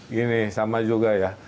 gini sama juga ya